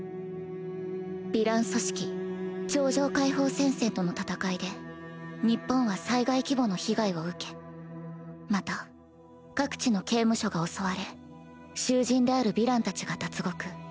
ヴィラン組織超常解放戦線との戦いで日本は災害規模の被害を受けまた各地の刑務所が襲われ囚人であるヴィラン達が脱獄。